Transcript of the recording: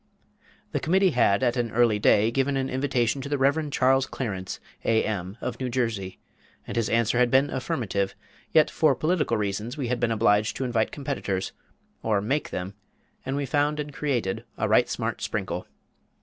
The Committee had, at an early day, given an invitation to the Rev. Charles Clarence, A.M., of New Jersey, and his answer had been affirmative; yet for political reasons we had been obliged to invite competitors, or make them, and we found and created "a right smart sprinkle."